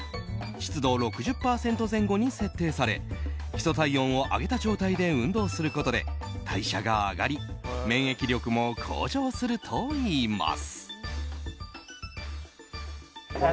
湿度６０％前後に設定され基礎体温を上げた状態で運動することで代謝が上がり免疫力も向上するといいます。